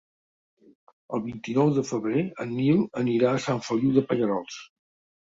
El vint-i-nou de febrer en Nil anirà a Sant Feliu de Pallerols.